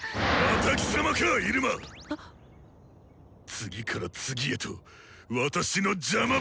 次から次へと私の邪魔ばかり！